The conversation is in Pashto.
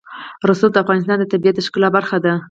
رسوب د افغانستان د طبیعت د ښکلا برخه ده.